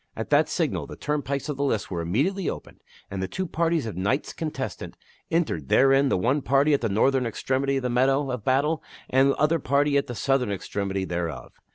At that signal the turnpikes of the lists were imme diately opened and two parties of knights contestant entered therein the one party at the northern extremity of the meadow of battle and the other party at the southern extremity thereof.